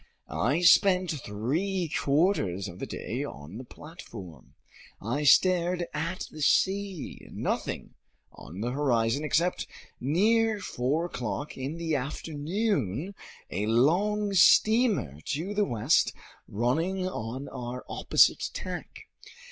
I spent three quarters of the day on the platform. I stared at the sea. Nothing on the horizon, except near four o'clock in the afternoon a long steamer to the west, running on our opposite tack.